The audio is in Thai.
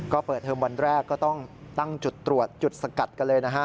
ก็เปิดเทอมวันแรกก็ต้องตั้งจุดตรวจจุดสกัดกันเลยนะฮะ